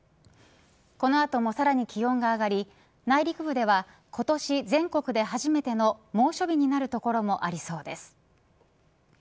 この後も、さらに気温が上がり内陸部では今年全国で初めての猛暑日になる所もありそうです。